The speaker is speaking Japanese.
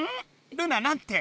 ルナなんて？